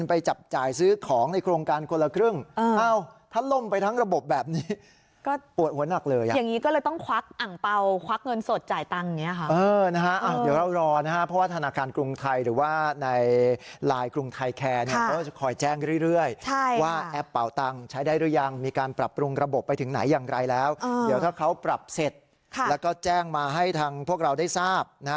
พูดปกติก่อนแล้วกัน